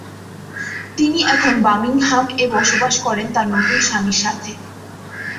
তিনি এখন বার্মিংহাম এ বসবাস করেন তার নতুন স্বামীর সাথে।